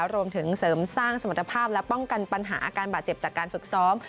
รวมถึงเสริมสร้างสมรรถภาพและป้องกันปัญหาอาการบาดเจ็บจากการฝึกซ้อม